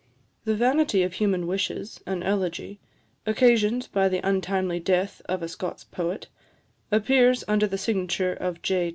"The Vanity of Human Wishes, an Elegy, occasioned by the Untimely Death of a Scots Poet," appears under the signature of J.